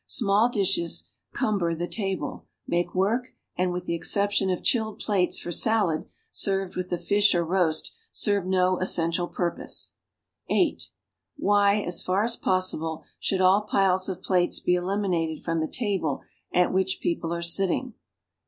Small dishes cumber the table, make work, and, with the ex ception of chilled plates for salad served with the fish or roast, serve no essential purpose. (8) "Why, as far as possilile, should all piles of plates be eliminated from the table at which people are sitting?